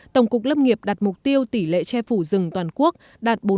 tổng cục lâm nghiệp đạt mục tiêu tỷ lệ che phủ rừng toàn quốc đạt bốn mươi một tám mươi năm